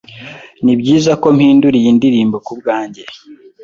Nibyiza ko mpindura iyi ndirimbo kubwanjye